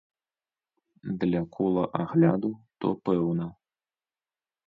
Для кола агляду то пэўна!